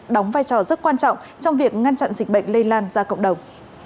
đóng vai trò rất quan trọng trong việc ngăn chặn dịch bệnh lây lan ra cộng đồng